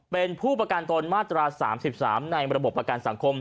เป็นผู้ประกันตนมาตรา๓๓ในระบบประกันสังคม